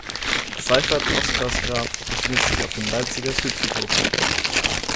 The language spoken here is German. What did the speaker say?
Seifert Oscars Grab befindet sich auf dem Leipziger Südfriedhof.